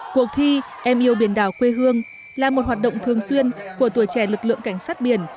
cuộc thi em yêu biển đảo quê hương là một hoạt động thường xuyên của tuổi trẻ lực lượng cảnh sát biển